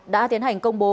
đã tiến hành công bố